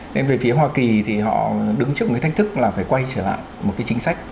nên về phía hoa kỳ thì họ đứng trước một cái thách thức là phải quay trở lại một cái chính sách